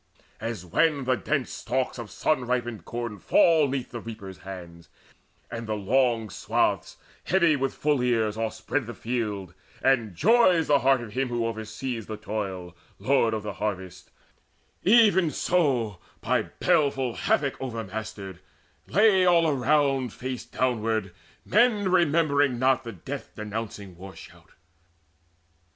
As when the dense stalks of sun ripened corn Fall 'neath the reapers' hands, and the long swaths, Heavy with full ears, overspread the field, And joys the heart of him who oversees The toil, lord of the harvest; even so, By baleful havoc overmastered, lay All round face downward men remembering not The death denouncing war shout.